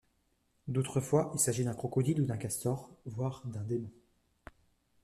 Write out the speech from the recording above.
D'autres fois il s'agit d'un crocodile ou d'un castor, voire d'un démon.